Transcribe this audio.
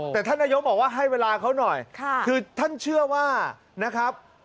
แต่ท่านนายกบอกว่าให้เวลาเขาหน่อยคือท่านเชื่อว่านะครับ